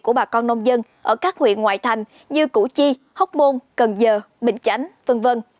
của bà con nông dân ở các huyện ngoại thành như củ chi hóc môn cần giờ bình chánh v v